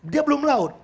dia belum laut